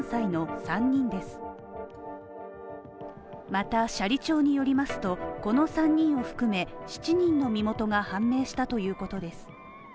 また斜里町によりますと、この３人を含め７人の身元が判明したということです。